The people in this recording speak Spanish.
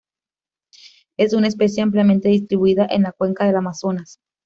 Es una especie ampliamente distribuida en la cuenca del Amazonas.